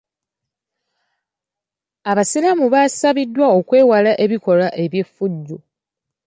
Abasiraamu basabiddwa okwewala ebikolwa eby'effujjo.